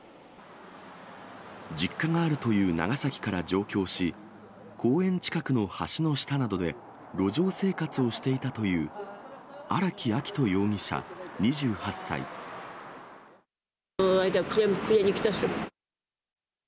実家があるという長崎から上京し、公園近くの橋の下などで路上生活をしていたという荒木秋冬容疑者暮れに来た人。